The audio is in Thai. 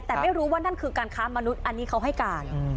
แต่ไม่รู้ว่านั่นคือการค้ามนุษย์อันนี้เขาให้การ